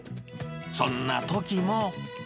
そんなときも。